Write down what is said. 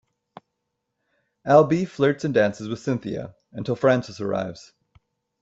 Al B flirts and dances with Cynthia, until Francis arrives.